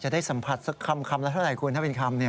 ได้สัมผัสสักคำละเท่าไหร่คุณถ้าเป็นคำ